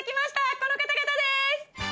この方々です！